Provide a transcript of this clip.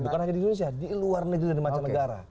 bukan hanya di indonesia di luar negeri dan macam negara